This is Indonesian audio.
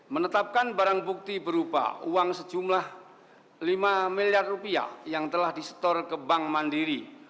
menetapkan barang bukti berupa uang sejumlah lima miliar rupiah yang telah disetor ke bank mandiri